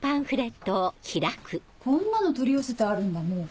こんなの取り寄せてあるんだもう。